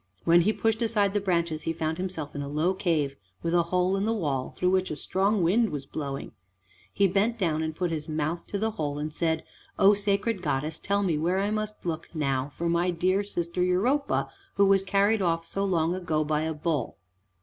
When he pushed aside the branches he found himself in a low cave, with a hole in the wall through which a strong wind was blowing. He bent down and put his mouth to the hole and said, "O sacred goddess, tell me where I must look now for my dear sister Europa, who was carried off so long ago by a bull?"